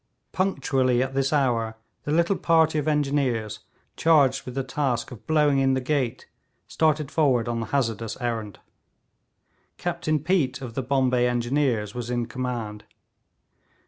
Punctually at this hour the little party of engineers charged with the task of blowing in the gate started forward on the hazardous errand. Captain Peat of the Bombay Engineers was in command.